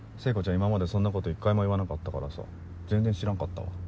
今までそんなこと一回も言わなかったからさ全然知らんかったわ。